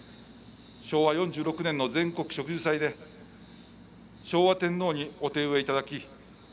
昭和４６年の全国植樹祭で昭和天皇にお手植えいただき